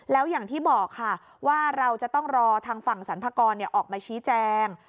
แล้วอย่างที่บอกค่ะว่าเราจะต้องรอทางฝั่งสรรพากรออกมาชี้แจง